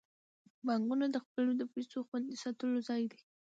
بانکونه د خلکو د پيسو خوندي ساتلو ځای دی.